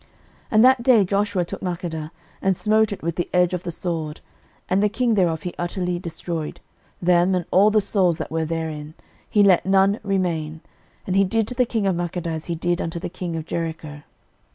06:010:028 And that day Joshua took Makkedah, and smote it with the edge of the sword, and the king thereof he utterly destroyed, them, and all the souls that were therein; he let none remain: and he did to the king of Makkedah as he did unto the king of Jericho.